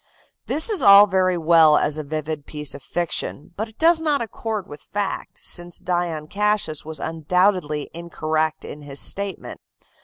This is all very well as a vivid piece of fiction, but it does not accord with fact, since Dion Cassius was undoubtedly incorrect in his statement.